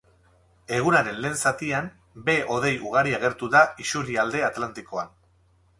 Egunaren lehen zatian, behe-hodei ugari agertu da isurialde atlantikoan.